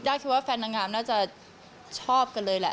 คิดว่าแฟนนางงามน่าจะชอบกันเลยแหละ